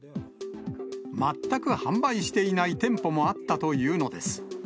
全く販売していない店舗もあったというのです。